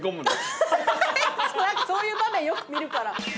そういう場面よく見るから。